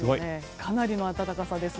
かなりの暖かさです。